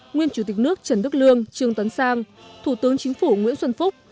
nguyên chủ tịch nước trần đức lương trương tấn sang thủ tướng chính phủ nguyễn xuân phúc